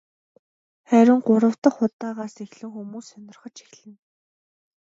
Харин гурав дахь удаагаас эхлэн хүмүүс сонирхож эхэлнэ.